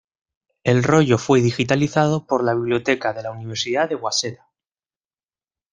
El rollo fue digitalizado por la biblioteca de la Universidad de Waseda.